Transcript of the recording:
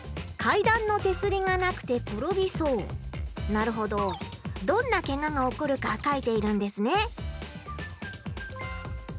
なるほどどんなケガが起こるか書いているんですね。